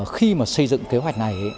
khi mà xây dựng kế hoạch này